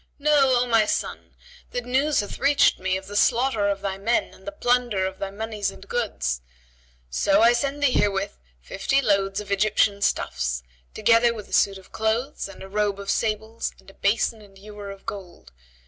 Know, O my son, that news hath reached me of the slaughter of thy men and the plunder of thy monies and goods; so I send thee herewith fifty loads of Egyptian stuffs, together with a suit of clothes and a robe of sables and a basin and ewer of gold.